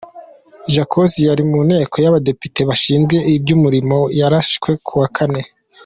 Jo Cox, yari mu Nteko y’Abadepite bashinzwe iby’ umurimo ,yarashwe kuwa Kane.